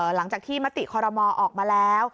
หลังจากที่มติคอรมอออกมาแล้ว